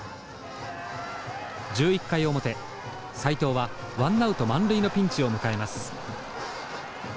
１１回表斎藤はワンナウト満塁のピンチを迎えます。